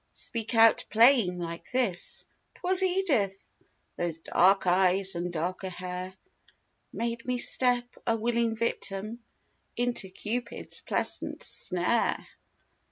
Speak out plain, like this: "'Twas Edith! Those dark eyes and darker hair Made me step, a willing victim Into Cupid's pleasant snare!"